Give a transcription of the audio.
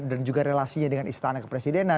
dan juga relasinya dengan istana kepresidenan